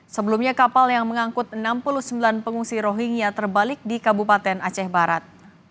sebelumnya kapal yang mengangkut enam puluh sembilan pengungsi rohingya terbalik di kabupaten aceh barat